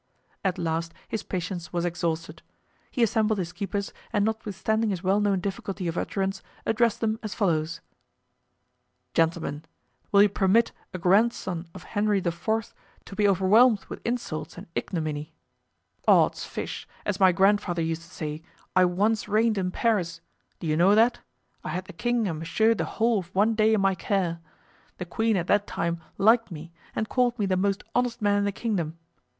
At last his patience was exhausted. He assembled his keepers, and notwithstanding his well known difficulty of utterance, addressed them as follows: "Gentlemen! will you permit a grandson of Henry IV. to be overwhelmed with insults and ignominy? "Odds fish! as my grandfather used to say, I once reigned in Paris! do you know that? I had the king and Monsieur the whole of one day in my care. The queen at that time liked me and called me the most honest man in the kingdom.